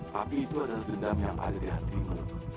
tapi itu adalah dendam yang ada di hatimu